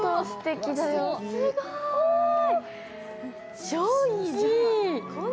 すごーい。